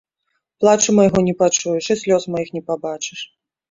Плачу майго не пачуеш і слёз маіх не пабачыш.